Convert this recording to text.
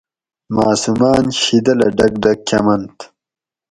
معصوماۤن شیدلہ ڈک ڈک کۤمنت